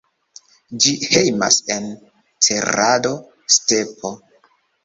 Ĝi hejmas en Cerrado-stepo.